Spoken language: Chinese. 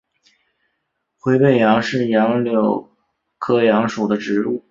灰背杨是杨柳科杨属的植物。